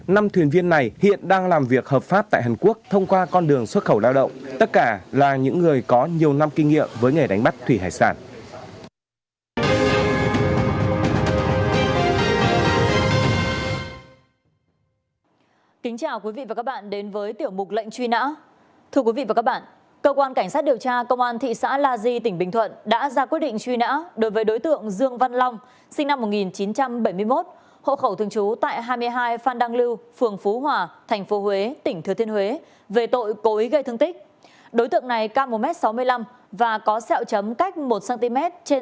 ra quyết định truy nã cũng về tội cố ý gây thương tích